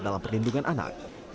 dalam perlindungan anak